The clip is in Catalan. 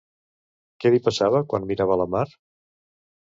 Què li passava quan mirava la mar?